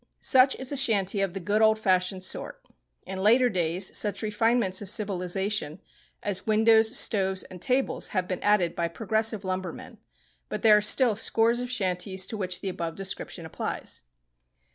Such is a shanty of the good old fashioned sort. In later days such refinements of civilization as windows, stoves, and tables have been added by progressive lumbermen, but there are still scores of shanties to which the above description applies.